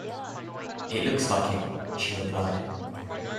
“It looks like it,” she replied.